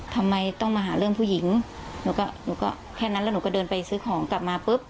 ทำไมต้องมาหาเรื่องผู้หญิงหนูก็หนูก็แค่นั้นแล้วหนูก็เดินไปซื้อของกลับมาปุ๊บ